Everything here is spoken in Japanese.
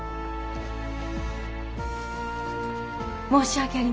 申し訳ありません。